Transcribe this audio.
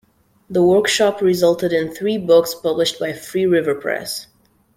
The workshop resulted in three books published by Free River Press.